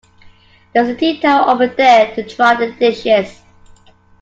There is a tea towel over there to dry the dishes